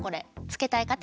つけたい方？